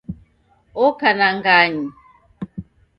Oka na ng'anyi